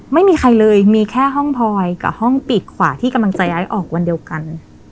ไม่มีใครเลยมีแค่ห้องพลอยกับห้องปีกขวาที่กำลังใจไอ้ออกวันเดียวกัน